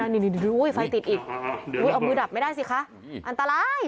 นี่ไฟติดอีกเอามือดับไม่ได้สิคะอันตราย